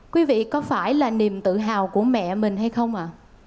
quý vị có phải là niềm tự hào của mẹ mình hay không ạ